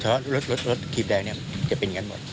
เฉพาะรถขีบแดงเนี่ยจะเป็นอย่างนั้นหมด